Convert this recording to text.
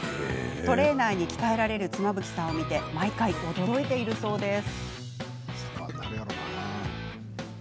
トレーナーに鍛えられる妻夫木さんを見て毎回、驚いているそうです。